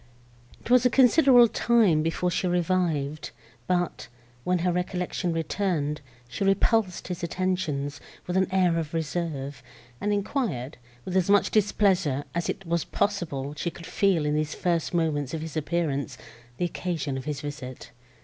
It was a considerable time before she revived, but, when her recollection returned, she repulsed his attentions, with an air of reserve, and enquired, with as much displeasure as it was possible she could feel in these first moments of his appearance, the occasion of his visit.